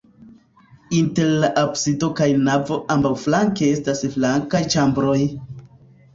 Inter la absido kaj navo ambaŭflanke estas flankaj ĉambroj.